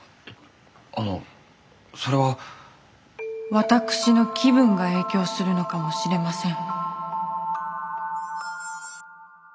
私の気分が影響するのかもしれません。